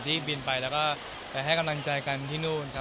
ที่บินไปแล้วก็ไปให้กำลังใจกันที่นู่นครับ